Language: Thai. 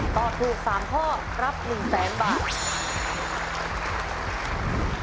ตอบถูก๓ข้อรับ๑แสนบาท